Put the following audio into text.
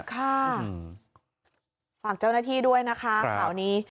ใช่ค่ะฝากเจ้าหน้าที่ด้วยนะคะครับ